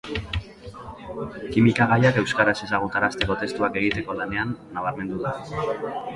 Kimika gaiak euskaraz ezagutarazteko testuak egiteko lanean nabarmendu da.